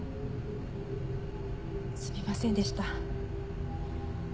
すみませんでした。